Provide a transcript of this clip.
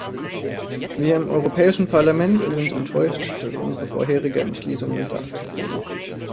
Wir im Europäischen Parlament sind enttäuscht, dass unsere vorherige Entschließung missachtet wurde.